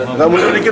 nggak mundur dikit